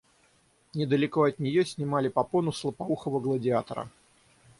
Недалеко от нее снимали попону с лопоухого Гладиатора.